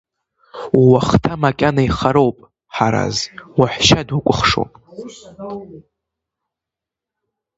Ууахҭа макьана ихароуп, Ҳараз, уаҳәшьа дукәыхшоуп!